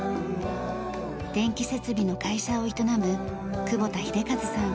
電気設備の会社を営む窪田秀和さん。